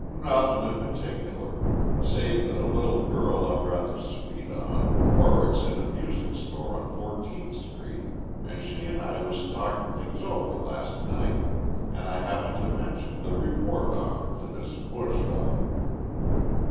"Nothin' in particular, save that a little girl I'm rather sweet on wurruks in a music store on Fourteenth Street an' she an' I was talkin' things over last night an' I happened to mintion th' reward offered for this Buch feller.